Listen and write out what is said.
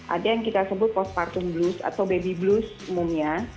ada yang kita sebut postpartum blues atau baby blues umumnya